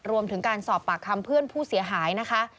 รวมถึงการสอบปากคำเพื่อนผู้เสียหายนะคะ